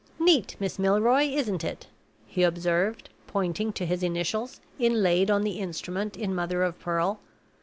"Neat, Miss Milroy, isn't it?" he observed, pointing to his initials, inlaid on the instrument in mother of pearl.